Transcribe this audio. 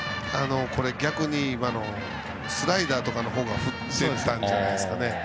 これ、逆にスライダーとかの方が振っていたんじゃないですかね。